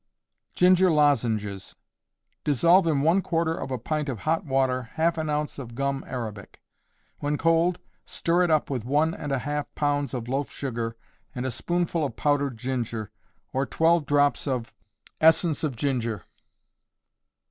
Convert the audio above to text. Ginger Lozenges. Dissolve in one quarter of a pint of hot water half an ounce of gum arabic; when cold, stir it up with one and a half pounds of loaf sugar, and a spoonful of powdered ginger, or twelve drops of essence of ginger.